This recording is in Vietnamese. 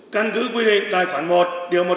căn cứ quy định tài khoản một điều một trăm linh